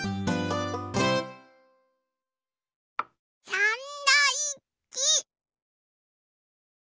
サンドイッチ。